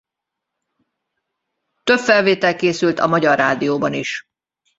Több felvétel készült a Magyar Rádióban is.